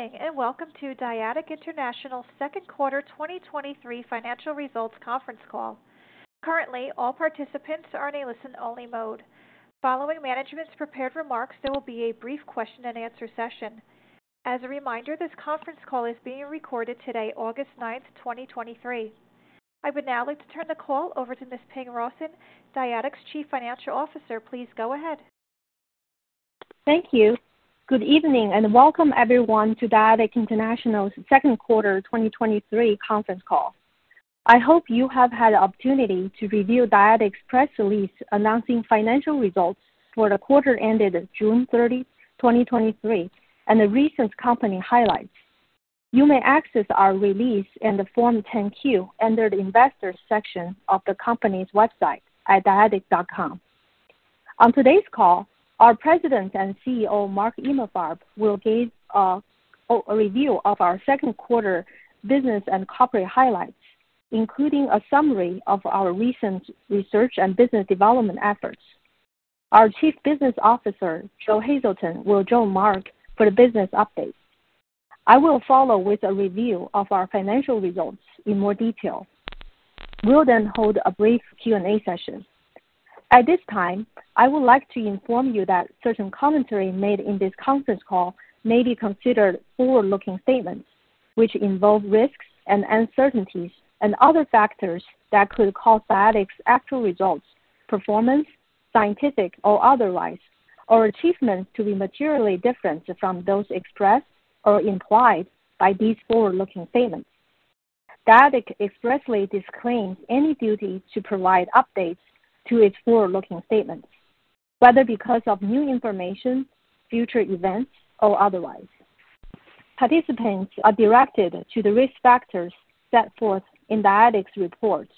Good evening, and welcome to Dyadic International's 2nd Quarter 2023 Financial Results Conference Call. Currently, all participants are in a listen-only mode. Following management's prepared remarks, there will be a brief question-and-answer session. As a reminder, this conference call is being recorded today, August 9th, 2023. I would now like to turn the call over to Ms. Ping Rawson, Dyadic's Chief Financial Officer. Please go ahead. Thank you. Good evening, welcome everyone to Dyadic International's second quarter 2023 conference call. I hope you have had the opportunity to review Dyadic's press release, announcing financial results for the quarter ended June 30th, 2023, and the recent company highlights. You may access our release in the Form 10-Q under the Investors section of the company's website at dyadic.com. On today's call, our President and CEO, Mark Emalfarb, will give a review of our second quarter business and corporate highlights, including a summary of our recent research and business development efforts. Our Chief Business Officer, Joe Hazelton, will join Mark for the business update. I will follow with a review of our financial results in more detail. We'll hold a brief Q&A session. At this time, I would like to inform you that certain commentary made in this conference call may be considered forward-looking statements, which involve risks and uncertainties and other factors that could cause Dyadic's actual results, performance, scientific or otherwise, or achievements to be materially different from those expressed or implied by these forward-looking statements. Dyadic expressly disclaims any duty to provide updates to its forward-looking statements, whether because of new information, future events, or otherwise. Participants are directed to the risk factors set forth in Dyadic's reports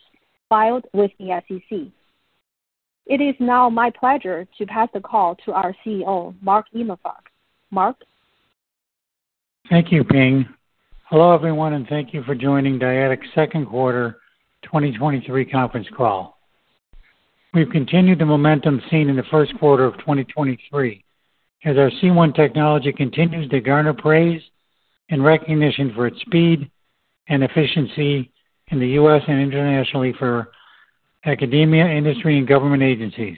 filed with the SEC. It is now my pleasure to pass the call to our CEO, Mark Emalfarb. Mark? Thank you, Ping. Hello, everyone, and thank you for joining Dyadic's second quarter 2023 conference call. We've continued the momentum seen in the first quarter of 2023, as our C1 technology continues to garner praise and recognition for its speed and efficiency in the U.S. and internationally for academia, industry, and government agencies.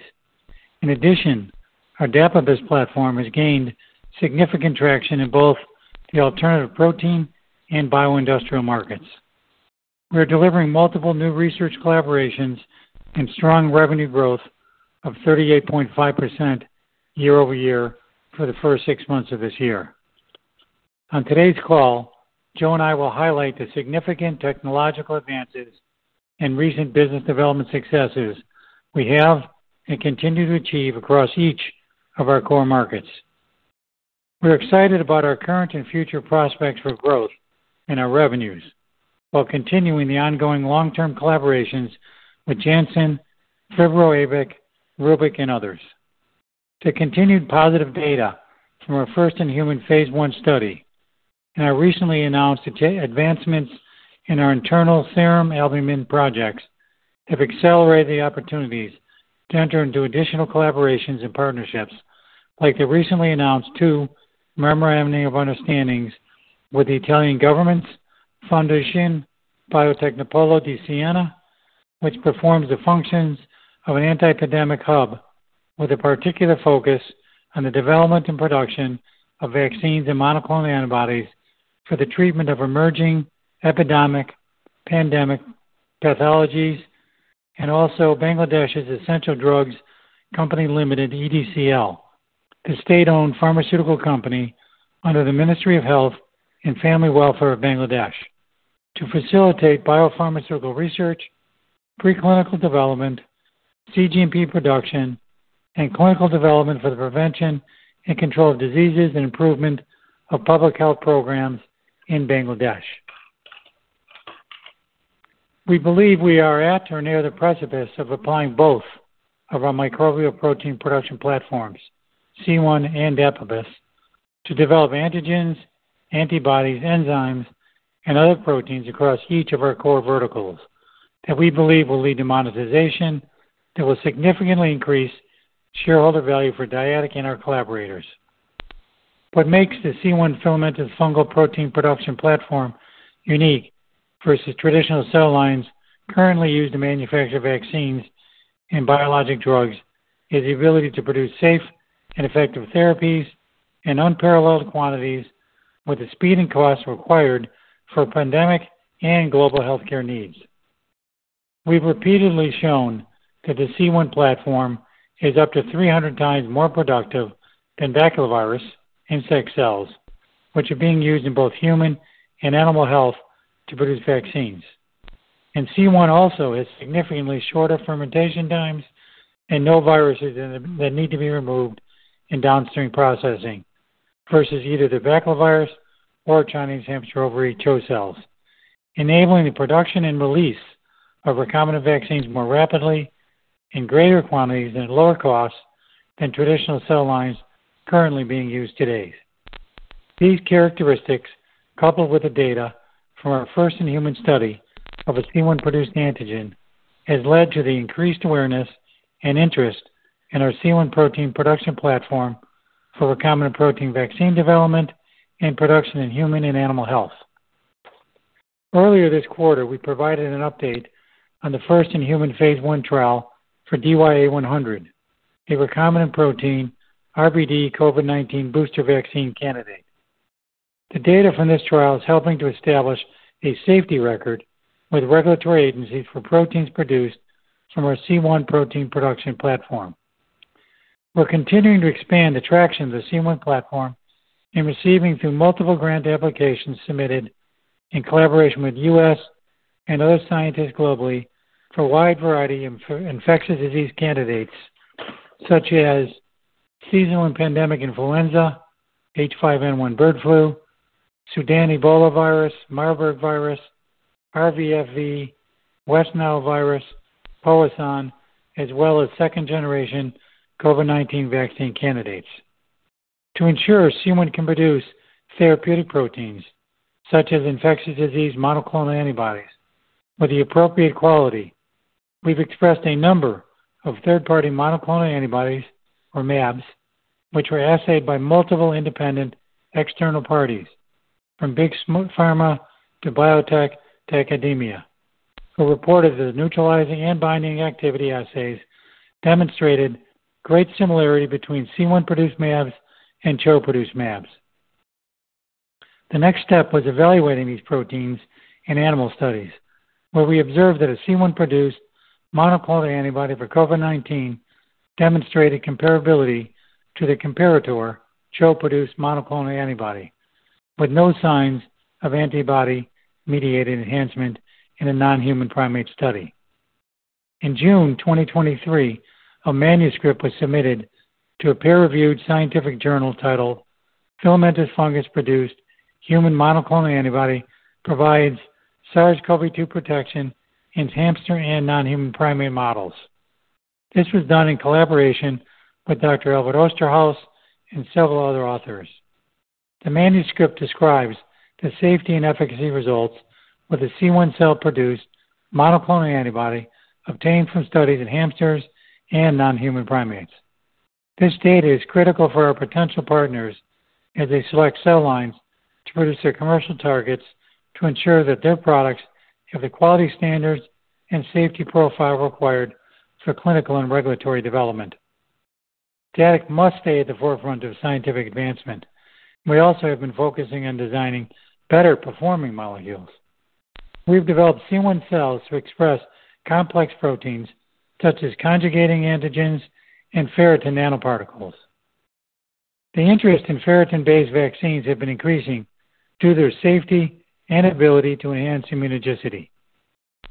In addition, our Dapibus platform has gained significant traction in both the alternative protein and bioindustrial markets. We are delivering multiple new research collaborations and strong revenue growth of 38.5% year-over-year for the first six months of this year. On today's call, Joe and I will highlight the significant technological advances and recent business development successes we have and continue to achieve across each of our core markets. We're excited about our current and future prospects for growth in our revenues, while continuing the ongoing long-term collaborations with Janssen, Phibro, Rubik, and others. The continued positive data from our first in-human phase I study and our recently announced advancements in our internal serum albumin projects, have accelerated the opportunities to enter into additional collaborations and partnerships, like the recently announced 2 memorandum of understandings with the Italian government's Fondazione Biotecnopolo di Siena, which performs the functions of an anti-pandemic hub, with a particular focus on the development and production of vaccines and monoclonal antibodies for the treatment of emerging epidemic, pandemic pathologies. Bangladesh's Essential Drugs Company Limited, EDCL, the state-owned pharmaceutical company under the Ministry of Health and Family Welfare of Bangladesh, to facilitate biopharmaceutical research, preclinical development, CGMP production, and clinical development for the prevention and control of diseases and improvement of public health programs in Bangladesh. We believe we are at or near the precipice of applying both of our microbial protein production platforms, C1 and Dapibus, to develop antigens, antibodies, enzymes, and other proteins across each of our core verticals that we believe will lead to monetization that will significantly increase shareholder value for Dyadic and our collaborators. What makes the C1 filamentous fungal protein production platform unique versus traditional cell lines currently used to manufacture vaccines and biologic drugs, is the ability to produce safe and effective therapies in unparalleled quantities with the speed and cost required for pandemic and global healthcare needs. We've repeatedly shown that the C1 platform is up to 300x more productive than baculovirus insect cells, which are being used in both human and animal health to produce vaccines. C1 also has significantly shorter fermentation times and no viruses in them that need to be removed in downstream processing versus either the baculovirus or Chinese hamster ovary CHO cells, enabling the production and release of recombinant vaccines more rapidly in greater quantities and at lower costs than traditional cell lines currently being used today. These characteristics, coupled with the data from our first-in-human study of a C1-produced antigen has led to the increased awareness and interest in our C1 protein production platform for recombinant protein vaccine development and production in human and animal health. Earlier this quarter, we provided an update on the first-in-human phase I trial for DYAI-100, a recombinant protein RBD COVID-19 booster vaccine candidate. The data from this trial is helping to establish a safety record with regulatory agencies for proteins produced from our C1 protein production platform. We're continuing to expand the traction of the C1 platform and receiving through multiple grant applications submitted in collaboration with U.S. and other scientists globally for a wide variety of infectious disease candidates, such as seasonal and pandemic influenza, H5N1 bird flu, Sudan ebolavirus, Marburg virus, RVFV, West Nile virus, Powassan, as well as second-generation COVID-19 vaccine candidates. To ensure C1 can produce therapeutic proteins, such as infectious disease monoclonal antibodies with the appropriate quality, we've expressed a number of third-party monoclonal antibodies, or mAbs, which were assayed by multiple independent external parties, from big smooth pharma to biotech to academia, who reported that the neutralizing and binding activity assays demonstrated great similarity between C1-produced mAbs and CHO-produced mAbs. The next step was evaluating these proteins in animal studies, where we observed that a C1-produced monoclonal antibody for COVID-19 demonstrated comparability to the comparator CHO-produced monoclonal antibody, with no signs of antibody-mediated enhancement in a non-human primate study. In June 2023, a manuscript was submitted to a peer-reviewed scientific journal titled "Filamentous Fungus-Produced Human Monoclonal Antibody Provides SARS-CoV-2 Protection in Hamster and Non-Human Primate Models." This was done in collaboration with Dr. Albert Osterhaus and several other authors. The manuscript describes the safety and efficacy results with a C1 cell-produced monoclonal antibody obtained from studies in hamsters and non-human primates. This data is critical for our potential partners as they select cell lines to produce their commercial targets, to ensure that their products have the quality standards and safety profile required for clinical and regulatory development. Dyadic must stay at the forefront of scientific advancement. We also have been focusing on designing better-performing molecules. We've developed C1 cells to express complex proteins such as conjugating antigens and ferritin nanoparticles. The interest in ferritin-based vaccines have been increasing due to their safety and ability to enhance immunogenicity.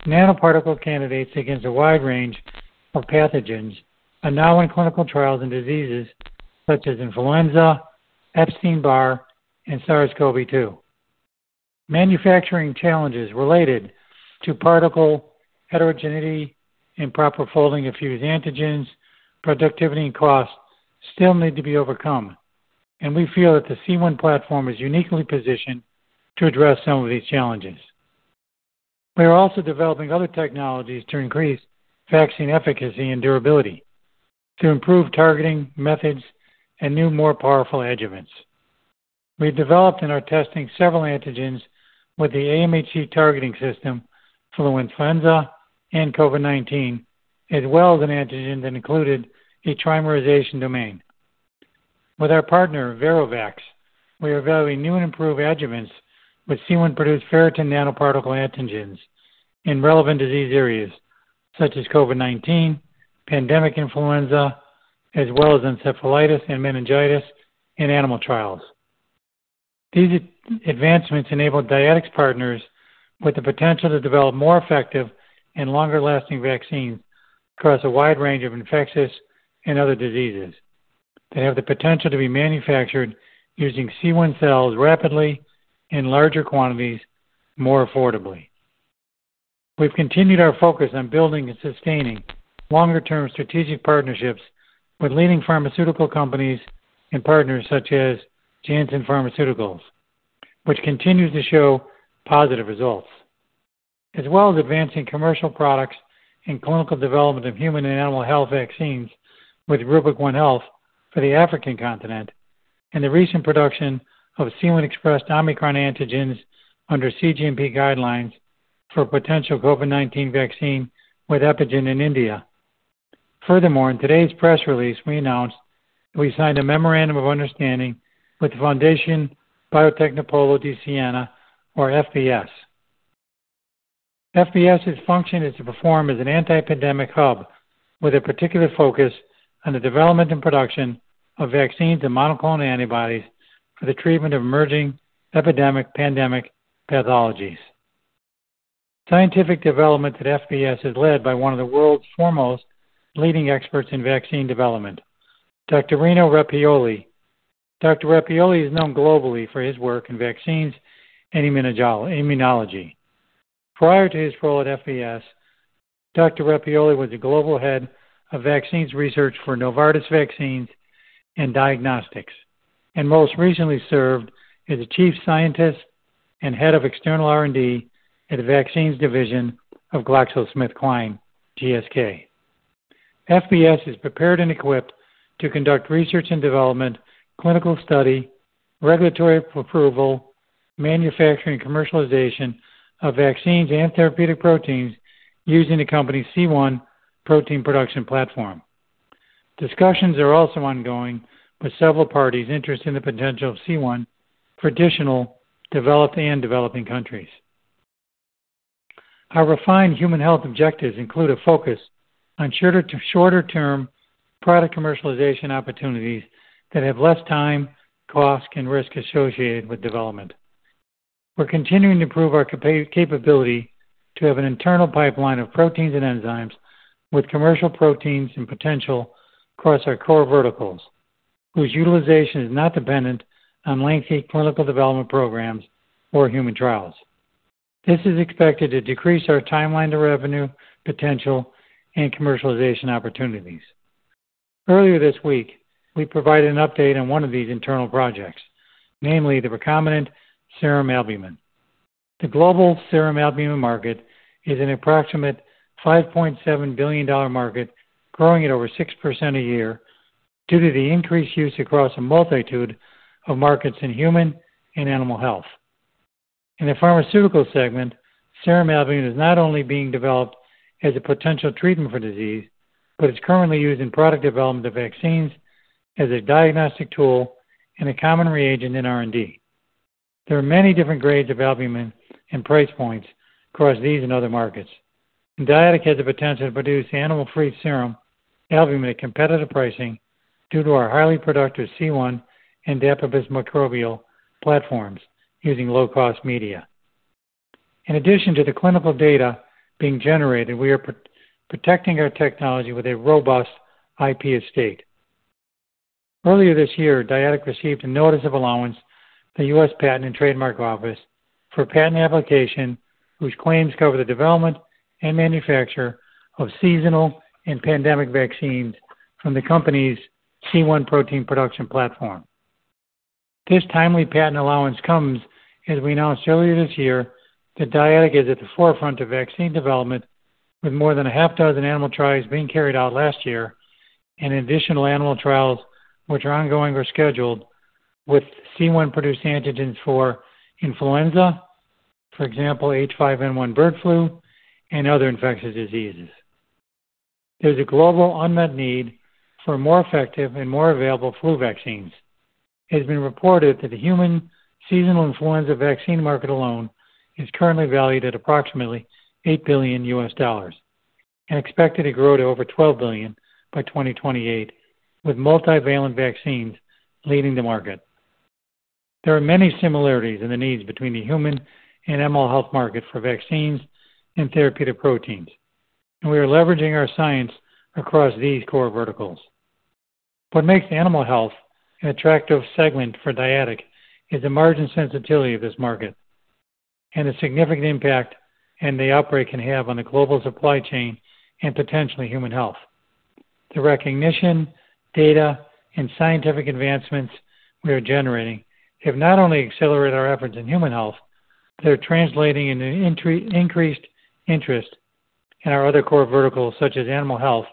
Nanoparticle candidates against a wide range of pathogens are now in clinical trials and diseases such as influenza, Epstein-Barr, and SARS-CoV-2. Manufacturing challenges related to particle heterogeneity, improper folding of fused antigens, productivity, and cost still need to be overcome, and we feel that the C1 platform is uniquely positioned to address some of these challenges. We are also developing other technologies to increase vaccine efficacy and durability, to improve targeting methods, and new, more powerful adjuvants. We've developed and are testing several antigens with the AMH targeting system for influenza and COVID-19, as well as an antigen that included a trimerization domain. With our partner, ViroVax, we are evaluating new and improved adjuvants with C1-produced ferritin nanoparticle antigens in relevant disease areas such as COVID-19, pandemic influenza, as well as encephalitis and meningitis in animal trials. These advancements enable Dyadic's partners with the potential to develop more effective and longer-lasting vaccines across a wide range of infectious and other diseases. They have the potential to be manufactured using C1 cells rapidly, in larger quantities, more affordably. We've continued our focus on building and sustaining longer-term strategic partnerships with leading pharmaceutical companies and partners such as Janssen Pharmaceuticals, which continues to show positive results, as well as advancing commercial products and clinical development of human and animal health vaccines with Rubic ONE Health for the African continent, and the recent production of C1-expressed Omicron antigens under CGMP guidelines for a potential COVID-19 vaccine with Epigen in India. In today's press release, we announced that we signed a memorandum of understanding with the Fondazione Biotecnopolo di Siena, or FBS. FBS's function is to perform as an anti-pandemic hub, with a particular focus on the development and production of vaccines and monoclonal antibodies for the treatment of emerging epidemic/pandemic pathologies. Scientific development at FBS is led by one of the world's foremost leading experts in vaccine development, Dr. Rino Rappuoli. Dr. Rappuoli is known globally for his work in vaccines and immunology. Prior to his role at FBS, Dr. Rappuoli was the Global Head of Vaccines Research for Novartis Vaccines and Diagnostics, and most recently served as the Chief Scientist and Head of External R&D at the Vaccines Division of GlaxoSmithKline, GSK. FBS is prepared and equipped to conduct research and development, clinical study, regulatory approval, manufacturing, commercialization of vaccines and therapeutic proteins using the company's C1 protein production platform. Discussions are also ongoing with several parties interested in the potential of C1 for traditional, developed, and developing countries. Our refined human health objectives include a focus on shorter-term product commercialization opportunities that have less time, cost, and risk associated with development. We're continuing to improve our capability to have an internal pipeline of proteins and enzymes with commercial proteins and potential across our core verticals, whose utilization is not dependent on lengthy clinical development programs or human trials. This is expected to decrease our timeline to revenue potential and commercialization opportunities. Earlier this week, we provided an update on one of these internal projects, namely the recombinant serum albumin. The global serum albumin market is an approximate $5.7 billion market, growing at over 6% a year due to the increased use across a multitude of markets in human and animal health. In the pharmaceutical segment, serum albumin is not only being developed as a potential treatment for disease, but it's currently used in product development of vaccines as a diagnostic tool and a common reagent in R&D. There are many different grades of albumin and price points across these and other markets. Dyadic has the potential to produce animal-free serum albumin at competitive pricing due to our highly productive C1 and Dapibus microbial platforms using low-cost media. In addition to the clinical data being generated, we are protecting our technology with a robust IP estate. Earlier this year, Dyadic received a notice of allowance from the US Patent and Trademark Office for a patent application, whose claims cover the development and manufacture of seasonal and pandemic vaccines from the company's C1 protein production platform. This timely patent allowance comes as we announced earlier this year that Dyadic is at the forefront of vaccine development, with more than six animal trials being carried out last year, and additional animal trials which are ongoing or scheduled with C1-produced antigens for influenza, for example, H5N1 bird flu and other infectious diseases. There's a global unmet need for more effective and more available flu vaccines. It has been reported that the human seasonal influenza vaccine market alone is currently valued at approximately $8 billion and expected to grow to over $12 billion by 2028, with multivalent vaccines leading the market. There are many similarities in the needs between the human and animal health market for vaccines and therapeutic proteins, and we are leveraging our science across these core verticals. What makes animal health an attractive segment for Dyadic is the margin sensitivity of this market and the significant impact an outbreak can have on the global supply chain and potentially human health. The recognition, data, and scientific advancements we are generating have not only accelerated our efforts in human health, they're translating into increased interest in our other core verticals, such as animal health,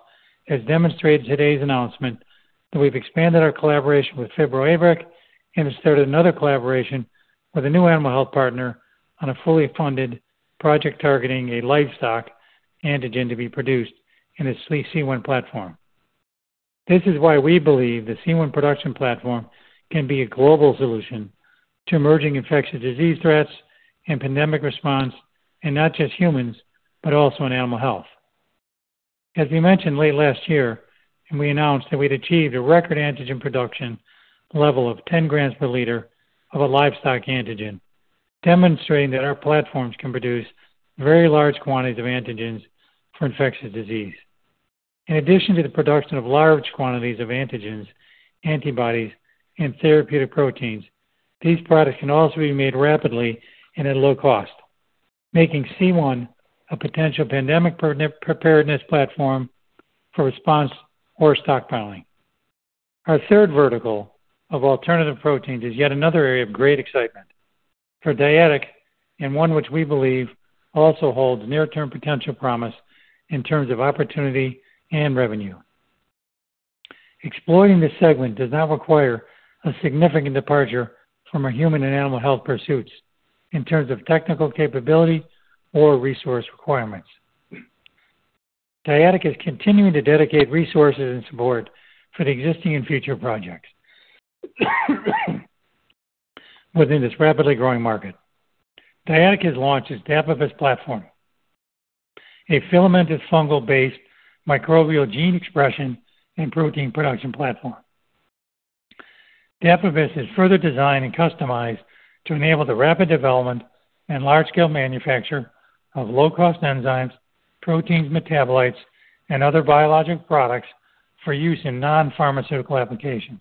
as demonstrated in today's announcement that we've expanded our collaboration with FibroAvric and started another collaboration with a new animal health partner on a fully funded project targeting a livestock antigen to be produced in its C1 platform. This is why we believe the C1 production platform can be a global solution to emerging infectious disease threats and pandemic response in not just humans, but also in animal health. As we mentioned late last year, and we announced that we'd achieved a record antigen production level of 10 grams per liter of a livestock antigen, demonstrating that our platforms can produce very large quantities of antigens for infectious disease. In addition to the production of large quantities of antigens, antibodies, and therapeutic proteins, these products can also be made rapidly and at low cost, making C1 a potential pandemic preparedness platform for response or stockpiling. Our third vertical of alternative proteins is yet another area of great excitement for Dyadic, and one which we believe also holds near-term potential promise in terms of opportunity and revenue. Exploiting this segment does not require a significant departure from our human and animal health pursuits in terms of technical capability or resource requirements. Dyadic is continuing to dedicate resources and support for the existing and future projects, within this rapidly growing market. Dyadic has launched its Dapibus platform, a filamentous fungal-based microbial gene expression and protein production platform. Dapibus is further designed and customized to enable the rapid development and large-scale manufacture of low-cost enzymes, proteins, metabolites, and other biologic products for use in non-pharmaceutical applications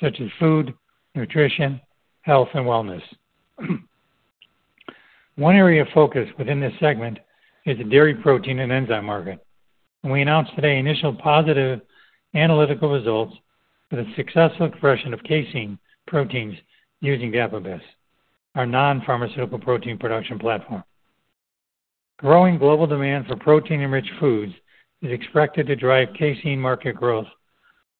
such as food, nutrition, health, and wellness. One area of focus within this segment is the dairy protein and enzyme market. We announced today initial positive analytical results for the successful expression of casein proteins using Dapibus, our non-pharmaceutical protein production platform. Growing global demand for protein-enriched foods is expected to drive casein market growth,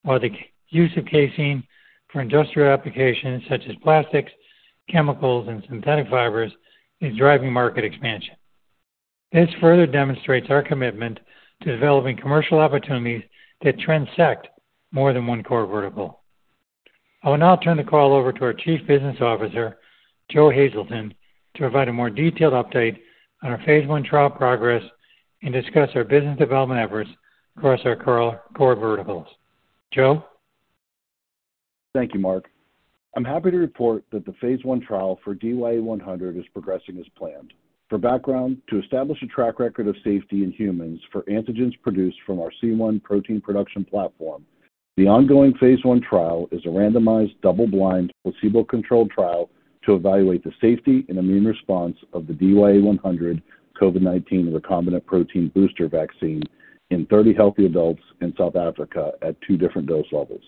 while the use of casein for industrial applications such as plastics, chemicals and synthetic fibers, is driving market expansion. This further demonstrates our commitment to developing commercial opportunities that transect more than 1 core vertical. I will now turn the call over to our Chief Business Officer, Joe Hazelton, to provide a more detailed update on our phase I trial progress and discuss our business development efforts across our core, core verticals. Joe? Thank you, Mark. I'm happy to report that the phase I trial for DY-100 is progressing as planned. For background, to establish a track record of safety in humans for antigens produced from our C1 protein production platform, the ongoing phase I trial is a randomized, double-blind, placebo-controlled trial to evaluate the safety and immune response of the DY-100 COVID-19 recombinant protein booster vaccine in 30 healthy adults in South Africa at two different dose levels.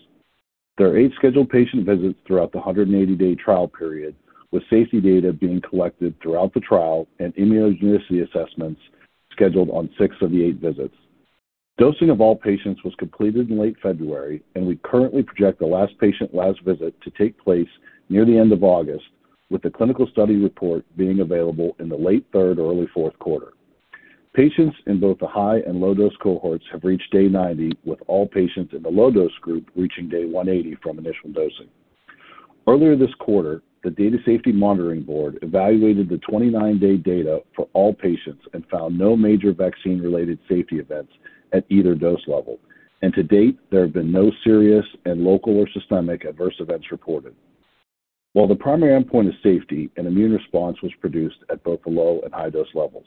There are eight scheduled patient visits throughout the 180-day trial period, with safety data being collected throughout the trial and immunogenicity assessments scheduled on six of the eight visits. Dosing of all patients was completed in late February, and we currently project the last patient last visit to take place near the end of August, with the clinical study report being available in the late 3rd or early 4th quarter. Patients in both the high and low-dose cohorts have reached day 90, with all patients in the low-dose group reaching day 180 from initial dosing. Earlier this quarter, the Data Safety Monitoring Board evaluated the 29-day data for all patients and found no major vaccine-related safety events at either dose level. To date, there have been no serious and local or systemic adverse events reported. While the primary endpoint is safety, an immune response was produced at both the low and high-dose levels.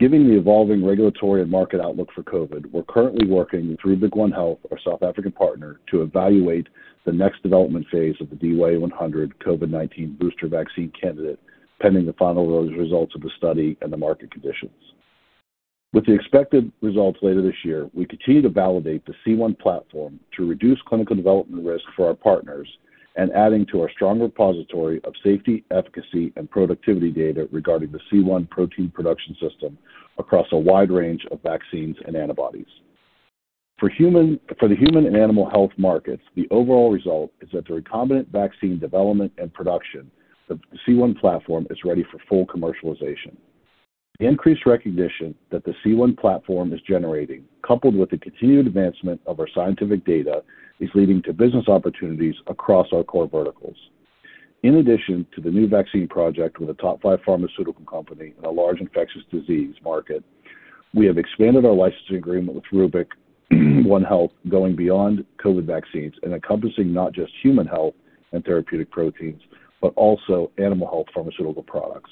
Given the evolving regulatory and market outlook for COVID, we're currently working with Rubik One Health, our South African partner, to evaluate the next development phase of the DY-100 COVID-19 booster vaccine candidate, pending the final results of the study and the market conditions. With the expected results later this year, we continue to validate the C1 platform to reduce clinical development risk for our partners and adding to our strong repository of safety, efficacy, and productivity data regarding the C1 protein production system across a wide range of vaccines and antibodies. For the human and animal health markets, the overall result is that the recombinant vaccine development and production, the C1 platform, is ready for full commercialization. The increased recognition that the C1 platform is generating, coupled with the continued advancement of our scientific data, is leading to business opportunities across our core verticals. In addition to the new vaccine project with a top five pharmaceutical company in a large infectious disease market, we have expanded our licensing agreement with Rubik One Health, going beyond COVID vaccines and encompassing not just human health and therapeutic proteins, but also animal health pharmaceutical products.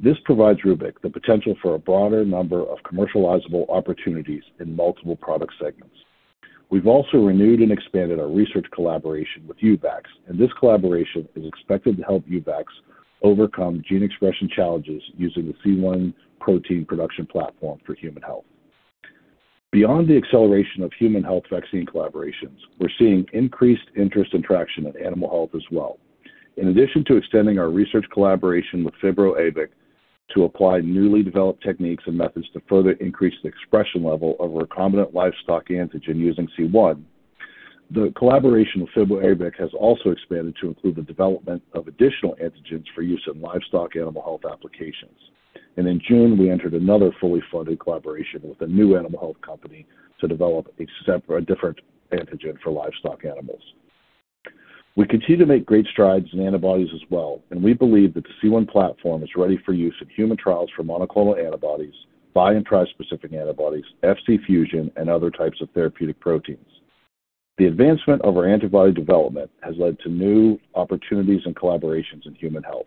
This provides Rubik the potential for a broader number of commercializable opportunities in multiple product segments. We've also renewed and expanded our research collaboration with Eubiologics. This collaboration is expected to help Eubiologics overcome gene expression challenges using the C1 protein production platform for human health. Beyond the acceleration of human health vaccine collaborations, we're seeing increased interest and traction in animal health as well. In addition to extending our research collaboration with FibroAvric to apply newly developed techniques and methods to further increase the expression level of recombinant livestock antigen using C1, the collaboration with FibroAvric has also expanded to include the development of additional antigens for use in livestock animal health applications. In June, we entered another fully funded collaboration with a new animal health company to develop a separate, a different antigen for livestock animals. We continue to make great strides in antibodies as well, and we believe that the C1 platform is ready for use in human trials for monoclonal antibodies, bi- and tri-specific antibodies, Fc fusion, and other types of therapeutic proteins. The advancement of our antibody development has led to new opportunities and collaborations in human health.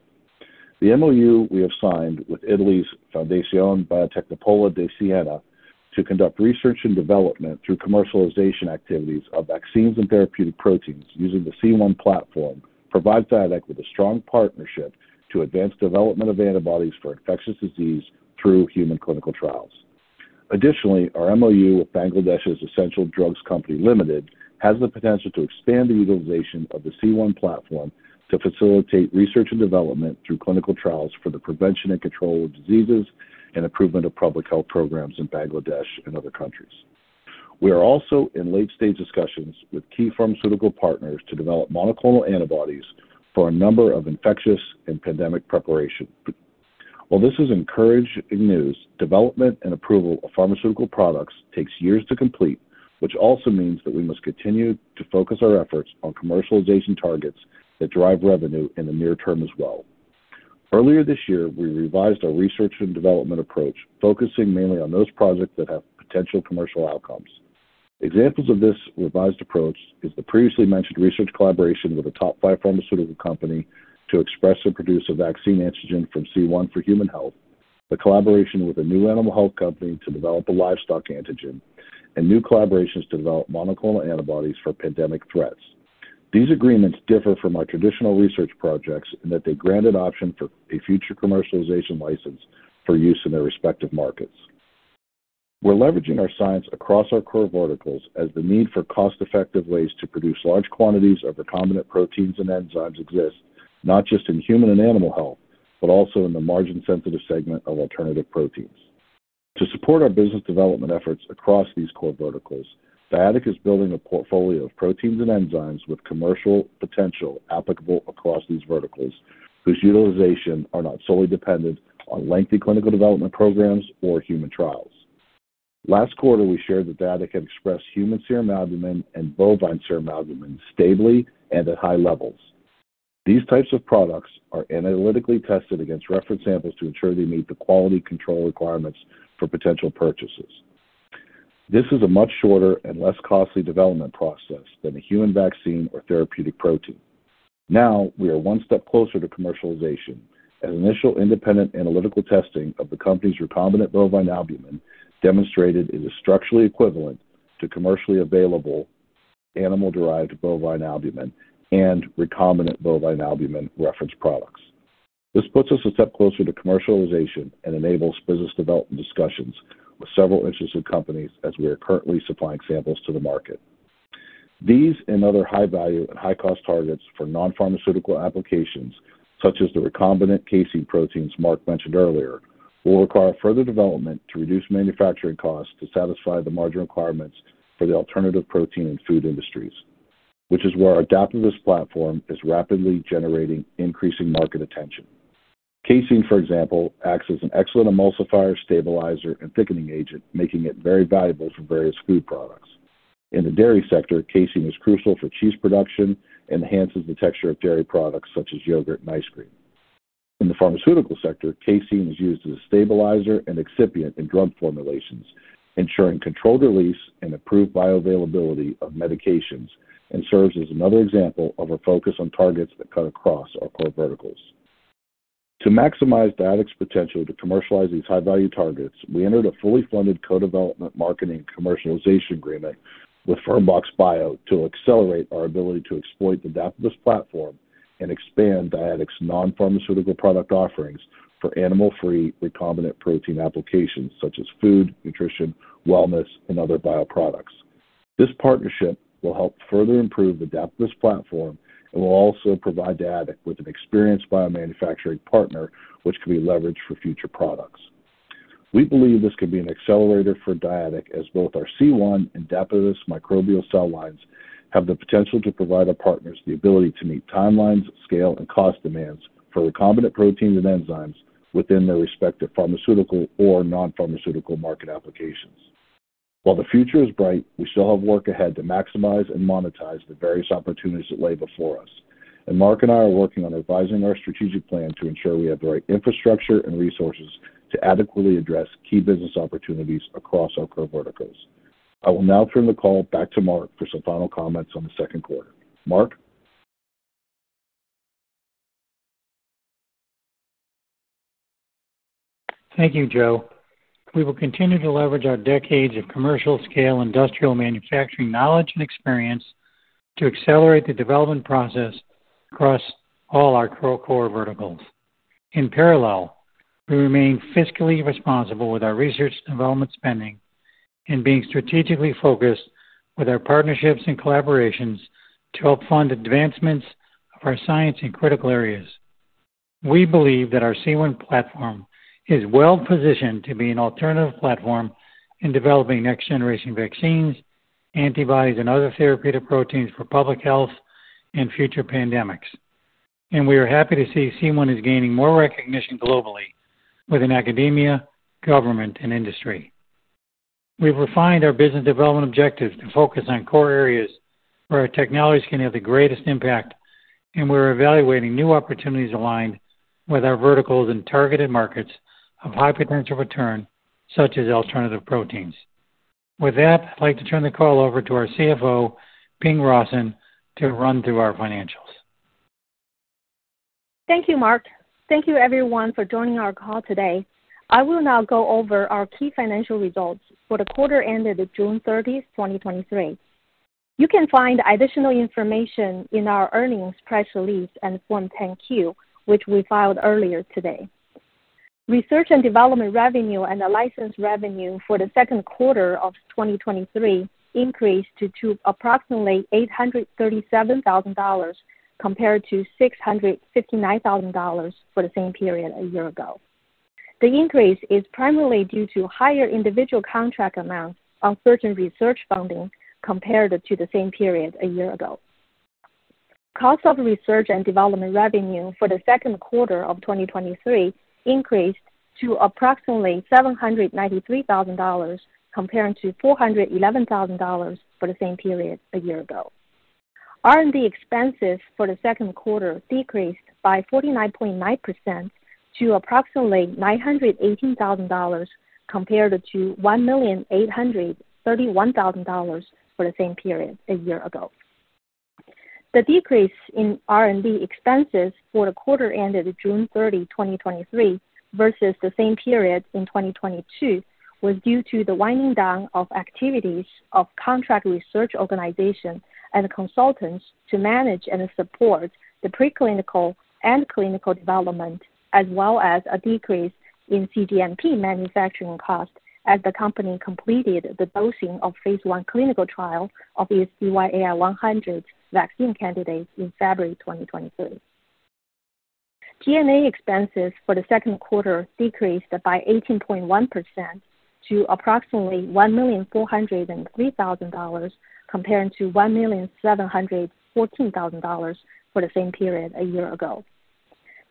The MOU we have signed with Italy's Fondazione Biotecnopolo di Siena to conduct research and development through commercialization activities of vaccines and therapeutic proteins using the C1 platform, provides Dyadic with a strong partnership to advance development of antibodies for infectious disease through human clinical trials. Additionally, our MOU with Bangladesh's Essential Drugs Company Limited, has the potential to expand the utilization of the C1 platform to facilitate research and development through clinical trials for the prevention and control of diseases and improvement of public health programs in Bangladesh and other countries. We are also in late-stage discussions with key pharmaceutical partners to develop monoclonal antibodies for a number of infectious and pandemic preparation. While this is encouraging news, development and approval of pharmaceutical products takes years to complete, which also means that we must continue to focus our efforts on commercialization targets that drive revenue in the near term as well. Earlier this year, we revised our research and development approach, focusing mainly on those projects that have potential commercial outcomes. Examples of this revised approach is the previously mentioned research collaboration with a top five pharmaceutical company to express and produce a vaccine antigen from C1 for human health, the collaboration with a new animal health company to develop a livestock antigen, and new collaborations to develop monoclonal antibodies for pandemic threats. These agreements differ from our traditional research projects in that they grant an option for a future commercialization license for use in their respective markets. We're leveraging our science across our core verticals as the need for cost-effective ways to produce large quantities of recombinant proteins and enzymes exist, not just in human and animal health, but also in the margin-sensitive segment of alternative proteins. To support our business development efforts across these core verticals, Dyadic is building a portfolio of proteins and enzymes with commercial potential applicable across these verticals, whose utilization are not solely dependent on lengthy clinical development programs or human trials. Last quarter, we shared that Dyadic had expressed human serum albumin and bovine serum albumin stably and at high levels. These types of products are analytically tested against reference samples to ensure they meet the quality control requirements for potential purchasers. This is a much shorter and less costly development process than a human vaccine or therapeutic protein. Now, we are one step closer to commercialization, as initial independent analytical testing of the company's recombinant bovine albumin demonstrated it is structurally equivalent to commercially available animal-derived bovine albumin and recombinant bovine albumin reference products. This puts us a step closer to commercialization and enables business development discussions with several interested companies, as we are currently supplying samples to the market. These and other high-value and high-cost targets for non-pharmaceutical applications, such as the recombinant casein proteins Mark mentioned earlier, will require further development to reduce manufacturing costs to satisfy the margin requirements for the alternative protein and food industries, which is where our Dapibus platform is rapidly generating increasing market attention. Casein, for example, acts as an excellent emulsifier, stabilizer, and thickening agent, making it very valuable for various food products. In the dairy sector, casein is crucial for cheese production and enhances the texture of dairy products such as yogurt and ice cream. In the pharmaceutical sector, casein is used as a stabilizer and excipient in drug formulations, ensuring controlled release and improved bioavailability of medications, and serves as another example of our focus on targets that cut across our core verticals. To maximize Dyadic's potential to commercialize these high-value targets, we entered a fully funded co-development, marketing, and commercialization agreement with Fermbox Bio to accelerate our ability to exploit the Dapibus platform and expand Dyadic's non-pharmaceutical product offerings for animal-free recombinant protein applications such as food, nutrition, wellness, and other bioproducts. This partnership will help further improve the Dapibus platform and will also provide Dyadic with an experienced biomanufacturing partner, which can be leveraged for future products. We believe this could be an accelerator for Dyadic, as both our C1 and Dapibus microbial cell lines have the potential to provide our partners the ability to meet timelines, scale, and cost demands for recombinant proteins and enzymes within their respective pharmaceutical or non-pharmaceutical market applications. While the future is bright, we still have work ahead to maximize and monetize the various opportunities that lay before us, and Mark and I are working on revising our strategic plan to ensure we have the right infrastructure and resources to adequately address key business opportunities across our core verticals. I will now turn the call back to Mark for some final comments on the second quarter. Mark? Thank you, Joe. We will continue to leverage our decades of commercial-scale industrial manufacturing knowledge and experience to accelerate the development process across all our core, core verticals. In parallel, we remain fiscally responsible with our research and development spending and being strategically focused with our partnerships and collaborations to help fund advancements of our science in critical areas. We believe that our C1 platform is well positioned to be an alternative platform in developing next-generation vaccines, antibodies, and other therapeutic proteins for public health and future pandemics. We are happy to see C1 is gaining more recognition globally within academia, government, and industry. We've refined our business development objectives to focus on core areas where our technologies can have the greatest impact, and we're evaluating new opportunities aligned with our verticals and targeted markets of high potential return, such as alternative proteins. With that, I'd like to turn the call over to our CFO, Ping Rawson, to run through our financials. Thank you, Mark. Thank you everyone for joining our call today. I will now go over our key financial results for the quarter ended June 30, 2023. You can find additional information in our earnings press release and Form 10-Q, which we filed earlier today. Research and development revenue and the license revenue for the second quarter of 2023 increased to approximately $837,000, compared to $659,000 for the same period a year ago. The increase is primarily due to higher individual contract amounts on certain research funding compared to the same period a year ago. Cost of research and development revenue for the second quarter of 2023 increased to approximately $793,000, comparing to $411,000 for the same period a year ago. R&D expenses for the second quarter decreased by 49.9% to approximately $918,000, compared to $1.831 million for the same period a year ago. The decrease in R&D expenses for the quarter ended June 30, 2023, versus the same period in 2022, was due to the winding down of activities of contract research organization and consultants to manage and support the preclinical and clinical development, as well as a decrease in CDMP manufacturing costs as the company completed the dosing of phase I clinical trial of its DYAI-100 vaccine candidate in February 2023. GNA expenses for the second quarter decreased by 18.1% to approximately $1.403 million, comparing to $1.714 million for the same period a year ago.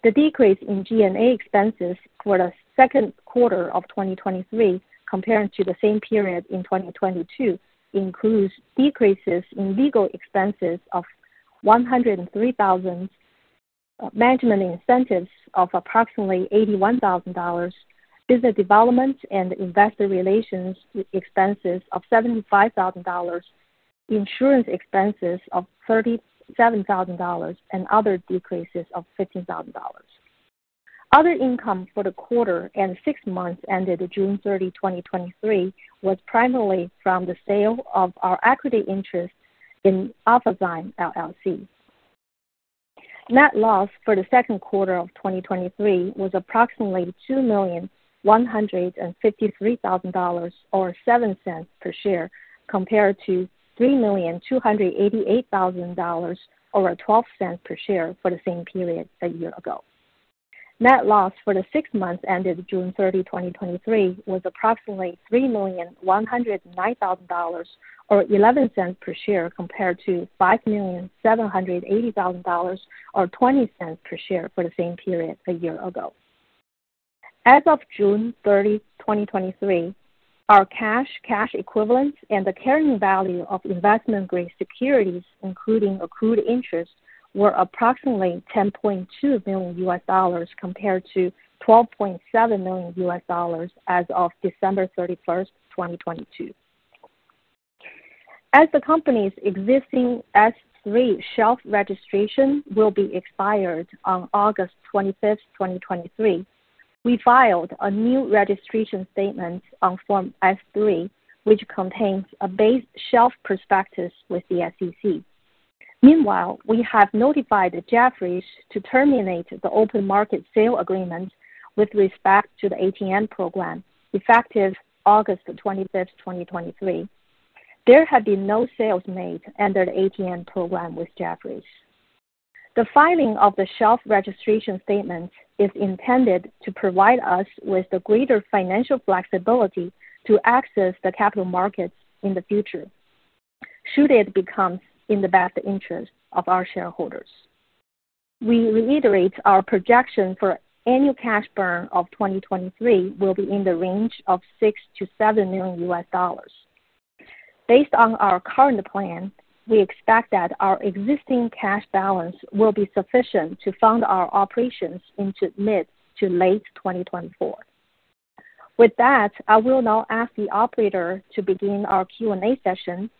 The decrease in GNA expenses for the second quarter of 2023, comparing to the same period in 2022, includes decreases in legal expenses of $103,000, management incentives of approximately $81,000, business development and investor relations expenses of $75,000, insurance expenses of $37,000, and other decreases of $15,000. Other income for the quarter and six months ended June 30, 2023, was primarily from the sale of our equity interest in Alphazyme, LLC. Net loss for the second quarter of 2023 was approximately $2,153,000, or $0.07 per share, compared to $3,288,000, or $0.12 per share, for the same period a year ago. Net loss for the six months ended June 30, 2023, was approximately $3,109,000, or $0.11 per share, compared to $5,780,000, or $0.20 per share, for the same period a year ago. As of June 30, 2023, our cash, cash equivalents, and the carrying value of investment-grade securities, including accrued interest, were approximately $10.2 million, compared to $12.7 million as of December 31, 2022. The company's existing S-3 shelf registration will be expired on August 25, 2023, we filed a new registration statement on Form S-3, which contains a base shelf prospectus with the SEC. Meanwhile, we have notified Jefferies to terminate the open market sale agreement with respect to the ATN program, effective August 25, 2023. There have been no sales made under the ATN program with Jefferies. The filing of the shelf registration statement is intended to provide us with the greater financial flexibility to access the capital markets in the future, should it become in the best interest of our shareholders. We reiterate our projection for annual cash burn of 2023 will be in the range of $6 million-$7 million. Based on our current plan, we expect that our existing cash balance will be sufficient to fund our operations into mid to late 2024. With that, I will now ask the operator to begin our Q&A session.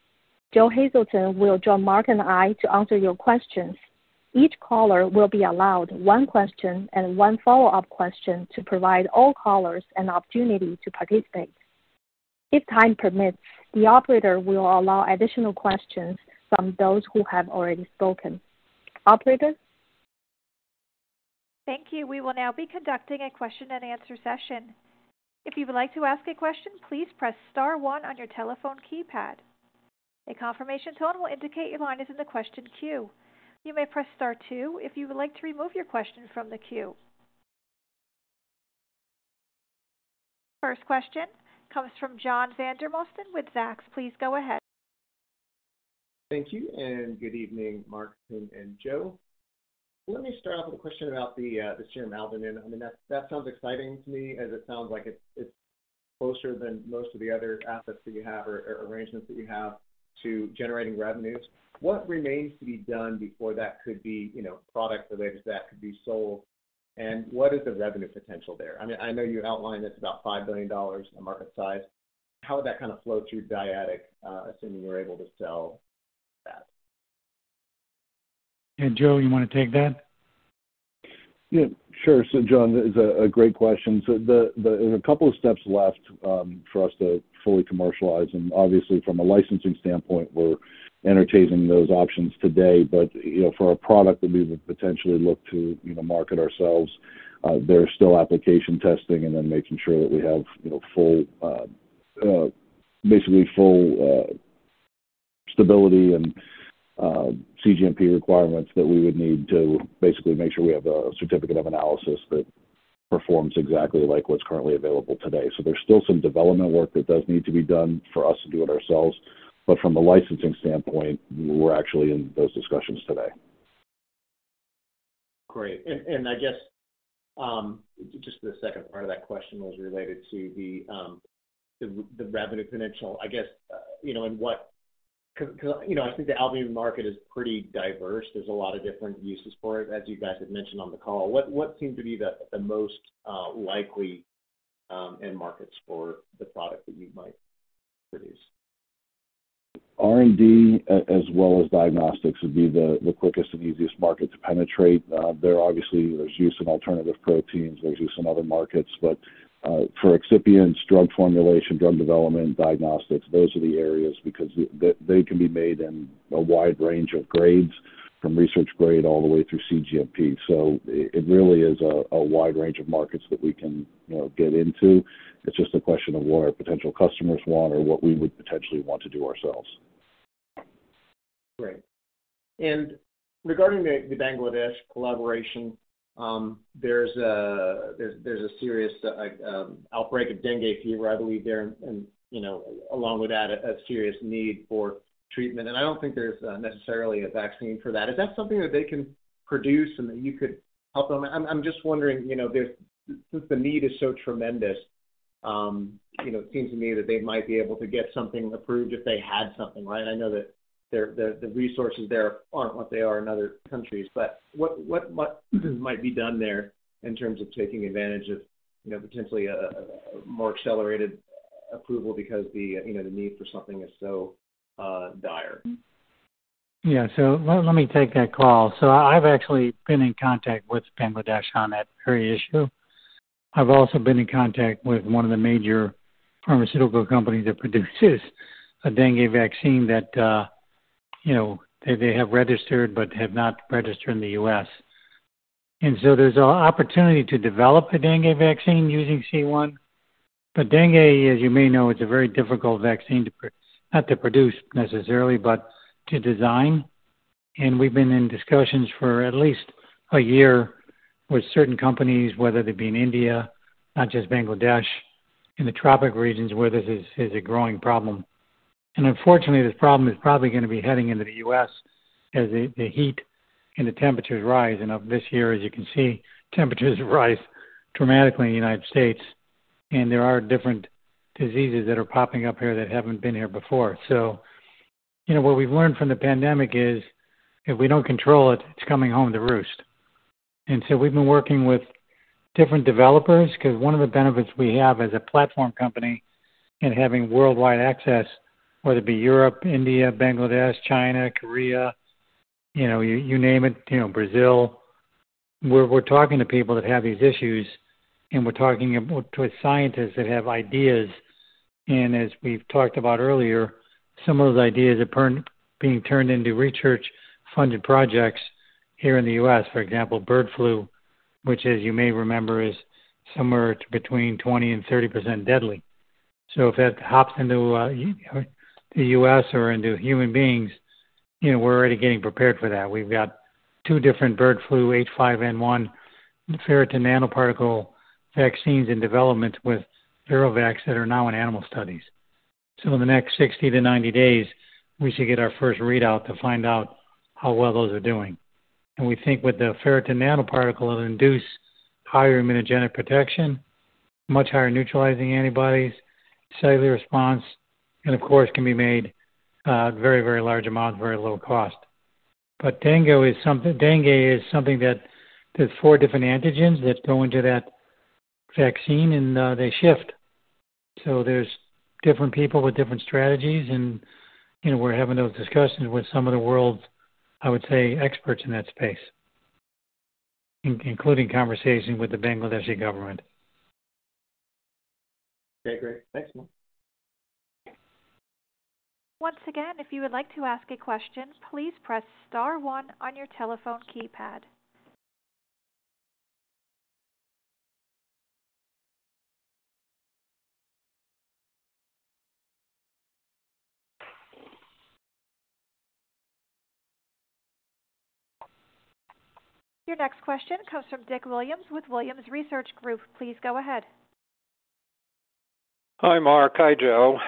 Joe Hazelton will join Mark and I to answer your questions. Each caller will be allowed one question and one follow-up question to provide all callers an opportunity to participate. If time permits, the operator will allow additional questions from those who have already spoken. Operator? Thank you. We will now be conducting a question-and-answer session. If you would like to ask a question, please press star one on your telephone keypad. A confirmation tone will indicate your line is in the question queue. You may press star two if you would like to remove your question from the queue. First question comes from John Vandermosten with Zacks. Please go ahead. Thank you, good evening, Mark, Tim, and Joe. Let me start off with a question about the serum albumin. I mean, that, that sounds exciting to me, as it sounds like it's, it's closer than most of the other assets that you have or, or arrangements that you have to generating revenues. What remains to be done before that could be, you know, product related to that could be sold? What is the revenue potential there? I mean, I know you outlined it's about $5 billion in market size. How would that kind of flow through Dyadic, assuming you're able to sell that? Joe, you want to take that? Yeah, sure. John, that is a great question. There's a couple of steps left for us to fully commercialize. Obviously, from a licensing standpoint, we're entertaining those options today. You know, for a product that we would potentially look to, you know, market ourselves, there's still application testing and then making sure that we have, you know, full, basically full, stability and CGMP requirements that we would need to basically make sure we have a certificate of analysis that performs exactly like what's currently available today. There's still some development work that does need to be done for us to do it ourselves. From a licensing standpoint, we're actually in those discussions today. Great. I guess, just the second part of that question was related to the, the, the revenue potential. I guess, you know, what-- 'cause, 'cause, you know, I think the albumin market is pretty diverse. There's a lot of different uses for it, as you guys have mentioned on the call. What, what seems to be the, the most likely end markets for the product that you might? R&D, as well as diagnostics, would be the, the quickest and easiest market to penetrate. There obviously, there's use of alternative proteins. There's use in some other markets, but, for excipients, drug formulation, drug development, diagnostics, those are the areas because they can be made in a wide range of grades, from research grade all the way through cGMP. It really is a, a wide range of markets that we can, you know, get into. It's just a question of what our potential customers want or what we would potentially want to do ourselves. Great. Regarding the Bangladesh collaboration, there's a, there's, there's a serious outbreak of dengue fever, I believe, there, and, you know, along with that, a serious need for treatment. I don't think there's necessarily a vaccine for that. Is that something that they can produce and that you could help them? I'm, I'm just wondering, you know, there's, since the need is so tremendous, you know, it seems to me that they might be able to get something approved if they had something, right? I know that their, the, the resources there aren't what they are in other countries, but what, what, what might be done there in terms of taking advantage of, you know, potentially a, a more accelerated approval because the, you know, the need for something is so dire? Yeah. Let me take that call. I've actually been in contact with Bangladesh on that very issue. I've also been in contact with one of the major pharmaceutical companies that produces a dengue vaccine that, you know, they, they have registered but have not registered in the U.S. There's an opportunity to develop a dengue vaccine using C1. Dengue, as you may know, it's a very difficult vaccine not to produce necessarily, but to design. We've been in discussions for at least a year with certain companies, whether they be in India, not just Bangladesh, in the tropic regions where this is, is a growing problem. Unfortunately, this problem is probably going to be heading into the U.S. as the, the heat and the temperatures rise. Of this year, as you can see, temperatures rise dramatically in the United States, and there are different diseases that are popping up here that haven't been here before. You know, what we've learned from the pandemic is, if we don't control it, it's coming home to roost. We've been working with different developers, 'cause one of the benefits we have as a platform company in having worldwide access, whether it be Europe, India, Bangladesh, China, Korea, you know, you, you name it, you know, Brazil. We're, we're talking to people that have these issues, and we're talking about with scientists that have ideas. As we've talked about earlier, some of those ideas are being turned into research-funded projects here in the U.S. For example, bird flu, which, as you may remember, is somewhere between 20%-30% deadly. If that hops into the U.S. or into human beings, you know, we're already getting prepared for that. We've got two different bird flu, H5N1, ferritin nanoparticle vaccines in development with ViroVax that are now in animal studies. In the next 60 days-90 days, we should get our first readout to find out how well those are doing. We think with the ferritin nanoparticle, it'll induce higher immunogenic protection, much higher neutralizing antibodies, cellular response, and of course, can be made very, very large amounts, very low cost. Dengue is something, dengue is something that there's four different antigens that go into that vaccine, and they shift. There's different people with different strategies, and, you know, we're having those discussions with some of the world's, I would say, experts in that space, including conversation with the Bangladeshi government. Okay, great. Thanks, Mark. Once again, if you would like to ask a question, please press star one on your telephone keypad. Your next question comes from Williams with Williams Resource Group. Please go ahead. Hi, Mark. Hi, Joe.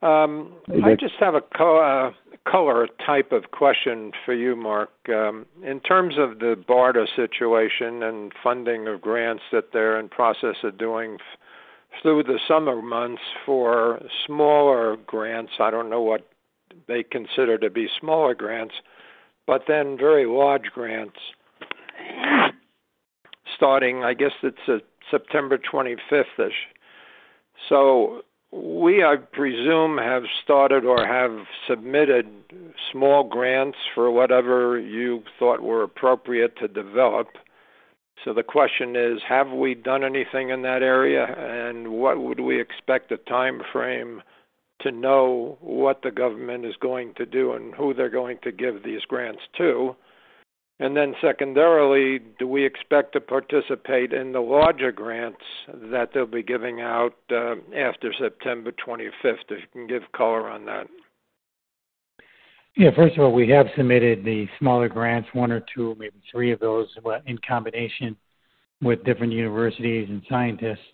Hey. I just have a co, color type of question for you, Mark. In terms of the BARDA situation and funding of grants that they're in process of doing f- through the summer months for smaller grants, I don't know what they consider to be smaller grants, but then very large grants, starting, I guess it's September 25th-ish. So we, I presume, have started or have submitted small grants for whatever you thought were appropriate to develop. So the question is: have we done anything in that area, and what would we expect the timeframe to know what the government is going to do and who they're going to give these grants to? And then secondarily, do we expect to participate in the larger grants that they'll be giving out, after September 25th? If you can give color on that. First of all, we have submitted the smaller grants, one or two, maybe three of those, but in combination with different universities and scientists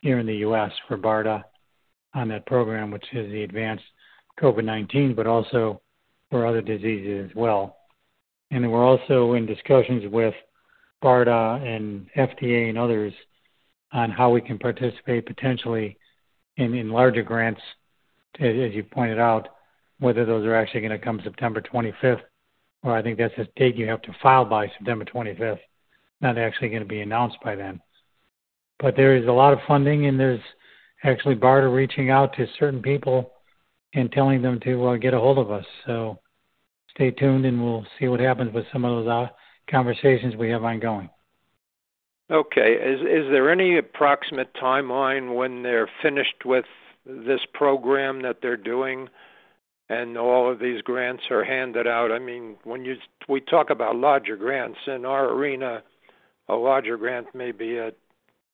here in the U.S. for BARDA on that program, which is the advanced COVID-19, but also for other diseases as well. Then we're also in discussions with BARDA and FDA and others on how we can participate potentially in, in larger grants, as, as you pointed out, whether those are actually going to come September 25th. Well, I think that's the date you have to file by, September 25th. Not actually gonna be announced by then. There is a lot of funding, and there's actually BARDA reaching out to certain people and telling them to get a hold of us. Stay tuned, and we'll see what happens with some of those conversations we have ongoing. Okay. Is there any approximate timeline when they're finished with this program that they're doing, and all of these grants are handed out? I mean, when we talk about larger grants. In our arena, a larger grant may be a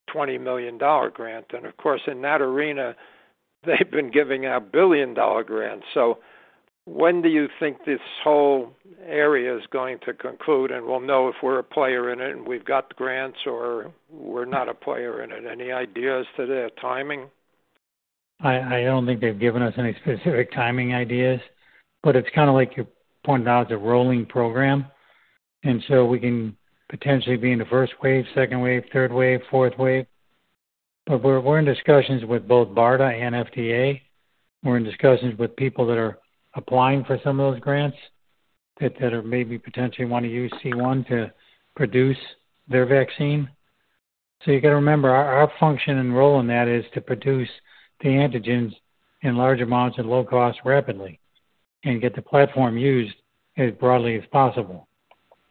$20 million grant, and of course, in that arena, they've been giving out billion-dollar grants. When do you think this whole area is going to conclude, and we'll know if we're a player in it, and we've got the grants, or we're not a player in it? Any ideas to the timing? I don't think they've given us any specific timing ideas, but it's kinda like you pointed out, it's a rolling program. We can potentially be in the first wave, second wave, third wave, fourth wave. We're in discussions with both BARDA and FDA. We're in discussions with people that are applying for some of those grants that are maybe potentially wanna use C1 to produce their vaccine. You gotta remember, our function and role in that is to produce the antigens in large amounts at low cost rapidly and get the platform used as broadly as possible.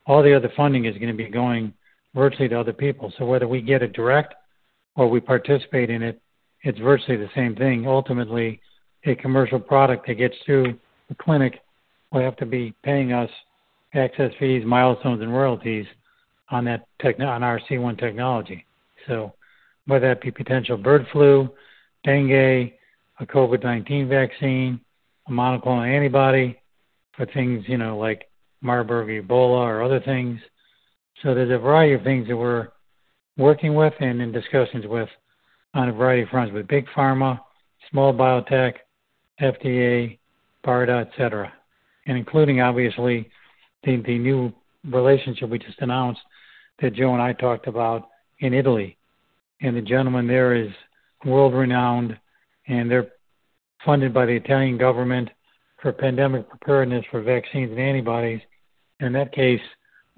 All the other funding is gonna be going virtually to other people. Whether we get it direct or we participate in it, it's virtually the same thing. Ultimately, a commercial product that gets to the clinic will have to be paying us access fees, milestones, and royalties on that on our C1 technology. Whether that be potential bird flu, dengue, a COVID-19 vaccine, a monoclonal antibody for things, you know, like Marburg, Ebola, or other things. There's a variety of things that we're working with and in discussions with on a variety of fronts, with big pharma, small biotech, FDA, BARDA, et cetera. Including, obviously, the, the new relationship we just announced, that Joe and I talked about, in Italy. The gentleman there is world-renowned, and they're funded by the Italian government for pandemic preparedness for vaccines and antibodies. In that case,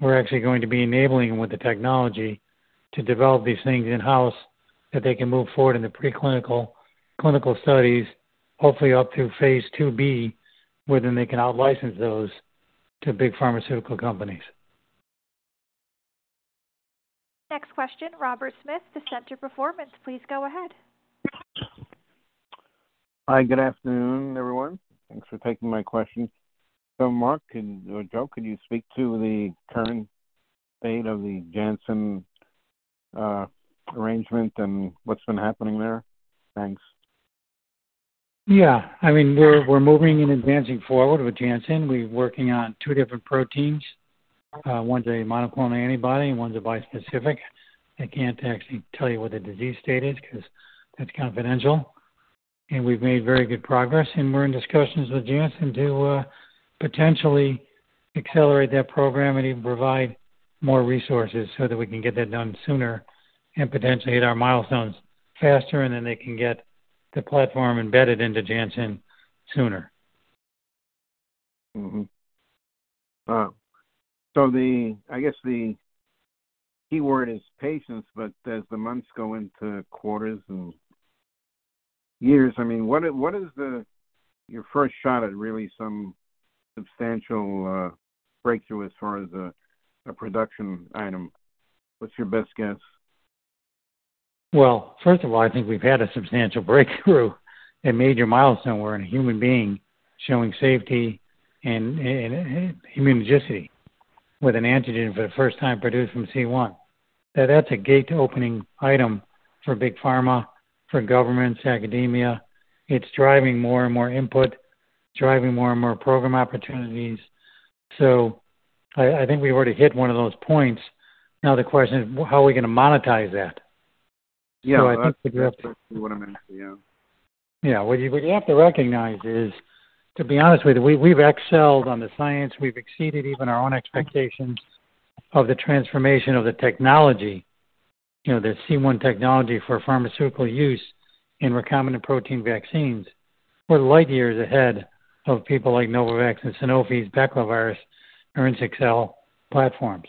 we're actually going to be enabling them with the technology to develop these things in-house, that they can move forward in the preclinical, clinical studies, hopefully up to phase 2B, where then they can out-license those to big pharmaceutical companies. Next question, Robert Smith, The Center for Performance. Please go ahead. Hi, good afternoon, everyone. Thanks for taking my questions. Mark, can, or Joe, could you speak to the current state of the Janssen arrangement and what's been happening there? Thanks. Yeah. I mean, we're, we're moving and advancing forward with Janssen. We're working on two different proteins. One's a monoclonal antibody, and one's a bispecific. I can't actually tell you what the disease state is, 'cause that's confidential. We've made very good progress, and we're in discussions with Janssen to, potentially accelerate that program and even provide more resources so that we can get that done sooner and potentially hit our milestones faster, and then they can get the platform embedded into Janssen sooner. The... I guess the key word is patience, but as the months go into quarters and years, I mean, what is, what is the, your first shot at really some substantial breakthrough as far as a, a production item? What's your best guess? Well, first of all, I think we've had a substantial breakthrough and major milestone. We're in a human being showing safety and, and immunogenicity with an antigen for the first time produced from C1. That's a gate-opening item for big pharma, for governments, academia. It's driving more and more input, driving more and more program opportunities. I, I think we've already hit one of those points. The question is, how are we gonna monetize that? Yeah. I think we have. That's exactly what I'm gonna ask you, yeah. Yeah. What you, you have to recognize is, to be honest with you, we've, we've excelled on the science. We've exceeded even our own expectations of the transformation of the technology, you know, the C1 technology for pharmaceutical use in recombinant protein vaccines. We're light years ahead of people like Novavax and Sanofi's baculovirus or INSECTCELL platforms.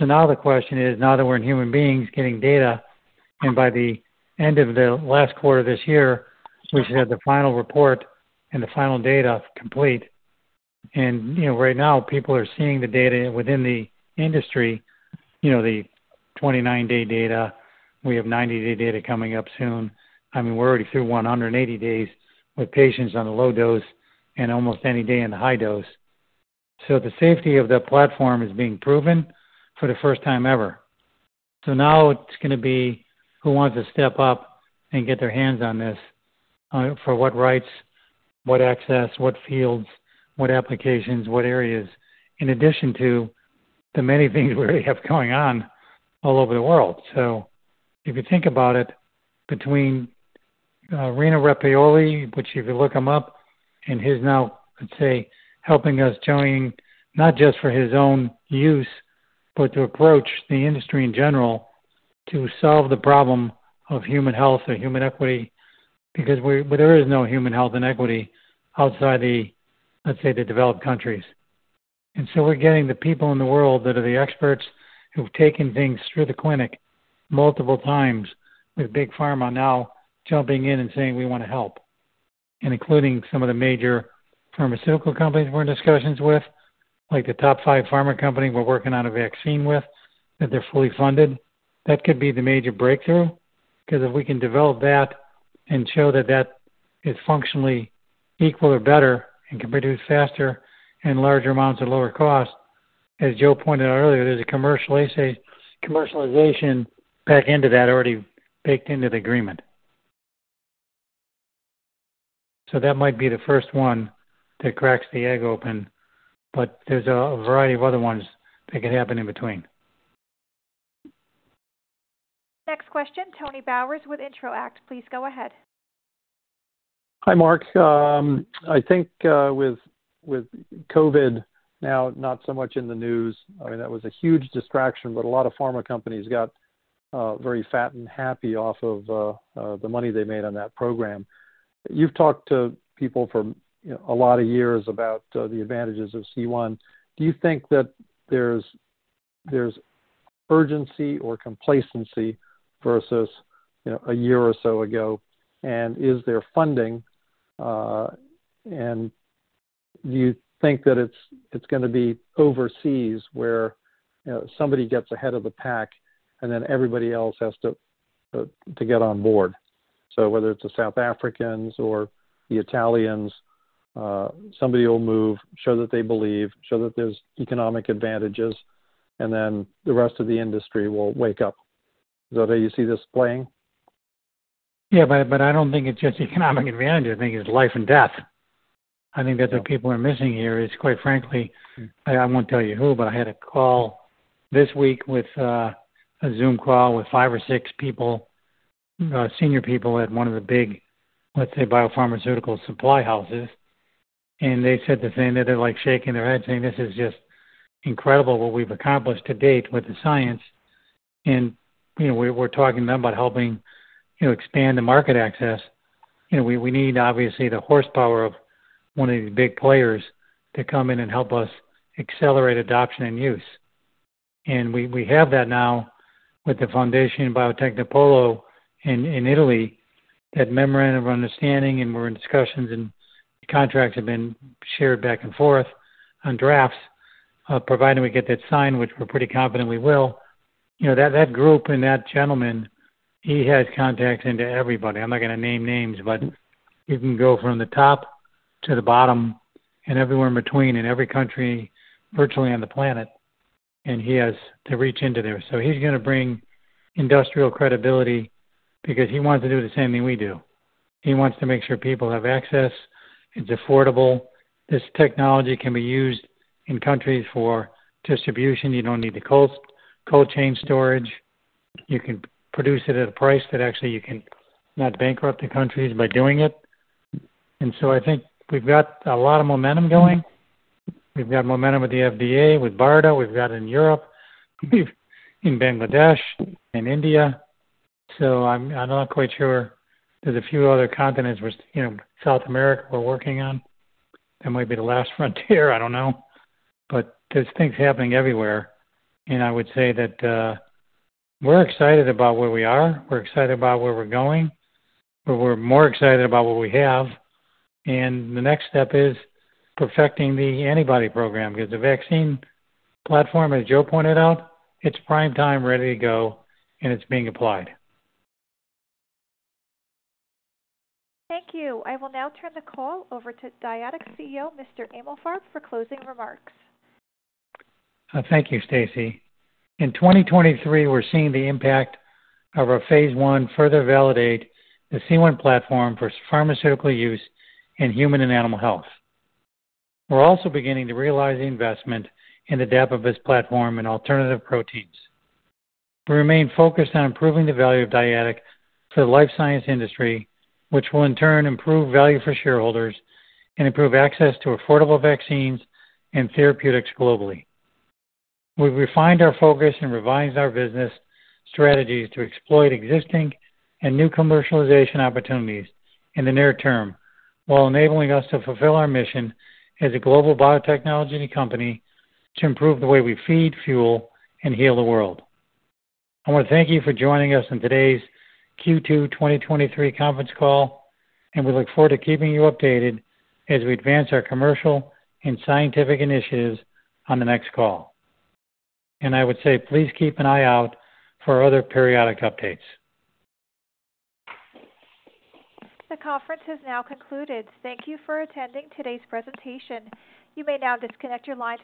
Now the question is, now that we're in human beings getting data, and by the end of the last quarter this year, we should have the final report and the final data complete. You know, right now, people are seeing the data within the industry, you know, the 29-day data. We have 90-day data coming up soon. I mean, we're already through 180 days with patients on the low dose and almost 90 day in the high dose. The safety of the platform is being proven for the first time ever. Now it's gonna be, who wants to step up and get their hands on this? For what rights, what access, what fields, what applications, what areas, in addition to the many things we already have going on all over the world. If you think about it, between Rino Rappuoli, which if you look him up, and he's now, let's say, helping us, showing not just for his own use, but to approach the industry in general, to solve the problem of human health or human equity, because we, there is no human health and equity outside the, let's say, the developed countries. So we're getting the people in the world that are the experts, who've taken things through the clinic multiple times, with Big Pharma now jumping in and saying, "We want to help." Including some of the major pharmaceutical companies we're in discussions with, like the top five pharma companies we're working on a vaccine with, that they're fully funded. That could be the major breakthrough, because if we can develop that and show that that is functionally equal or better and can produce faster and larger amounts at lower cost, as Joe pointed out earlier, there's a commercial assay, commercialization back into that already baked into the agreement. That might be the first one that cracks the egg open, but there's a variety of other ones that could happen in between. Next question, Tony Bowers with Intro-act. Please go ahead. Hi, Mark. I think, with, with COVID now not so much in the news, I mean, that was a huge distraction, but a lot of pharma companies got very fat and happy off of the money they made on that program. You've talked to people for, you know, a lot of years about the advantages of C1. Do you think that there's, there's urgency or complacency versus, you know, a year or so ago? And is there funding, and do you think that it's, it's gonna be overseas where, you know, somebody gets ahead of the pack and then everybody else has to to get on board? So whether it's the South Africans or the Italians, somebody will move, show that they believe, show that there's economic advantages, and then the rest of the industry will wake up. Is that how you see this playing? Yeah, I don't think it's just economic advantage. I think it's life and death. I think that the people are missing here is, quite frankly, I, I won't tell you who, but I had a call this week with a Zoom call with five or six people, senior people at one of the big, let's say, biopharmaceutical supply houses. They said the same, that they're, like, shaking their heads, saying, "This is just incredible what we've accomplished to date with the science." You know, we're, we're talking to them about helping, you know, expand the market access. You know, we, we need, obviously, the horsepower of one of these big players to come in and help us accelerate adoption and use. We, we have that now with the Fondazione Biotecnopolo di Siena in, in Italy. That memorandum of understanding, and we're in discussions and contracts have been shared back and forth on drafts. Providing we get that signed, which we're pretty confident we will. You know, that, that group and that gentleman, he has contacts into everybody. I'm not gonna name names, but he can go from the top to the bottom and everywhere in between, in every country, virtually on the planet, and he has the reach into there. He's gonna bring industrial credibility because he wants to do the same thing we do. He wants to make sure people have access. It's affordable. This technology can be used in countries for distribution. You don't need the cold chain storage. You can produce it at a price that actually you can not bankrupt the countries by doing it. I think we've got a lot of momentum going. We've got momentum with the FDA, with BARDA, we've got in Europe, in Bangladesh, in India. I'm not quite sure. There's a few other continents where, you know, South America, we're working on. That might be the last frontier, I don't know. There's things happening everywhere, and I would say that we're excited about where we are. We're excited about where we're going, but we're more excited about what we have. The next step is perfecting the antibody program, because the vaccine platform, as Joe pointed out, it's prime time, ready to go, and it's being applied. Thank you. I will now turn the call over to Dyadic's CEO, Mr. Emalfarb, for closing remarks. Thank you, Stacy. In 2023, we're seeing the impact of our phase I further validate the C1 platform for pharmaceutical use in human and animal health. We're also beginning to realize the investment in the Dapibus platform and alternative proteins. We remain focused on improving the value of Dyadic to the life science industry, which will in turn improve value for shareholders and improve access to affordable vaccines and therapeutics globally. We've refined our focus and revised our business strategies to exploit existing and new commercialization opportunities in the near term, while enabling us to fulfill our mission as a global biotechnology company to improve the way we feed, fuel, and heal the world. I want to thank you for joining us on today's Q2 2023 conference call. We look forward to keeping you updated as we advance our commercial and scientific initiatives on the next call. I would say, please keep an eye out for other periodic updates. The conference has now concluded. Thank you for attending today's presentation. You may now disconnect your lines.